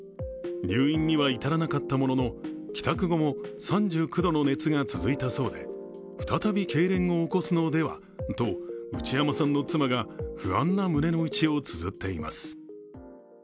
入院には至らなかったものの帰宅後も３９度の熱が続いたそうで再びけいれんを起こすのではと、内山さんの妻が不安な胸のうちをつづっています。